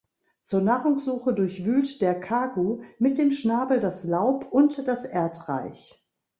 Zur Nahrungssuche durchwühlt der Kagu mit dem Schnabel das Laub und das Erdreich.